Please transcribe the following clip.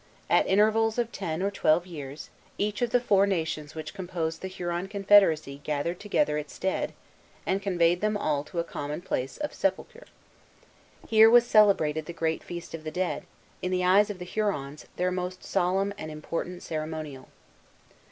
At intervals of ten or twelve years, each of the four nations which composed the Huron Confederacy gathered together its dead, and conveyed them all to a common place of sepulture. Here was celebrated the great "Feast of the Dead," in the eyes of the Hurons, their most solemn and important ceremonial.